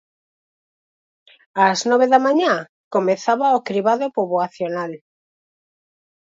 Ás nove da mañá comezaba o cribado poboacional.